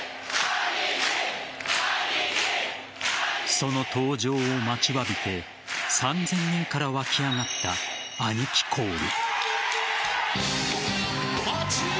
その登場を待ちわびて３０００人から湧き上がったアニキコール。